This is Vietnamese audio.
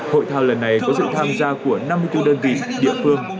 hội thao lần này có sự tham gia của năm mươi bốn đơn vị địa phương